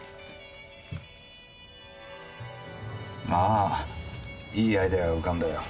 ああいいアイデアが浮かんだよ。